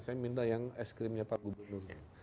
saya minta yang es krimnya pak gubernur